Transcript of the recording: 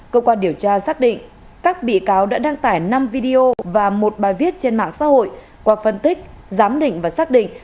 cơ quan điều tra xác định các bị cáo đã đăng tải năm video và một bài viết trên mạng xã hội qua phân tích giám định và xác định